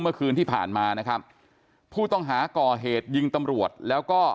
เมื่อคืนที่ผ่านมานะครับผู้ต้องหาก่อเหตุยิงตำรวจแล้วก็